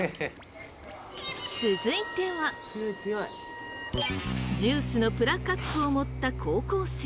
続いてはジュースのプラカップを持った高校生。